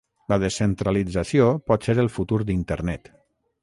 La descentralització pot ser el futur d'internet.